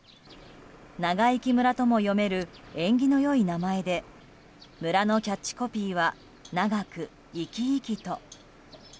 「長生き村」とも読める縁起の良い名前で村のキャッチコピーは「ながくいきいきと」。